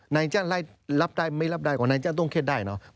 นายจ้างรับได้ไม่รับได้ของนายจ้างต้องเครียดได้เนอะ